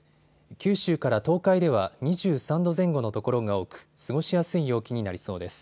九州から東海では２３度前後の所が多く、過ごしやすい陽気になりそうです。